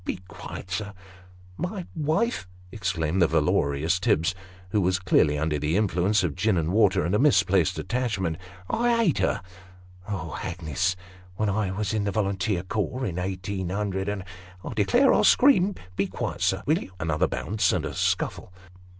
Be quiet, sir !"" My wife !" exclaimed the valorous Tibbs, who was clearly under the influence of gin and water, and a misplaced attachment ;" I ate her ! Oh, Hagnes ! when I was in the volunteer corps, in eighteen hundred and "" I declare I'll scream. Be quiet, sir, will you ?" (Another bounce and a scuffle.)